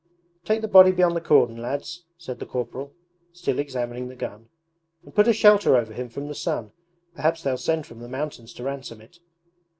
'Take the body beyond the cordon, lads,' said the corporal, still examining the gun, 'and put a shelter over him from the sun. Perhaps they'll send from the mountains to ransom it.'